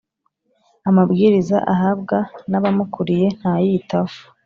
Amabwiriza ahabwa n’abamukuriye ntayitaho